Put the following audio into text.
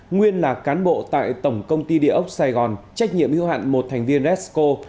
nguyên là cán bộ tại tổng công ty địa ốc sài gòn trách nhiệm hữu hạn một thành viên resco